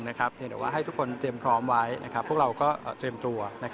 เพียงแต่ว่าให้ทุกคนเตรียมพร้อมไว้พวกเราก็เตรียมตัว